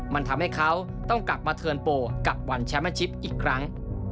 มันทำให้เขาต้องกลับมาเทิร์นโปรกับวันแชมป์ชิปอีกครั้ง